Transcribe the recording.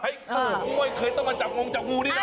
งูไม่เคยต้องมาจับงงจับงูนี่นะ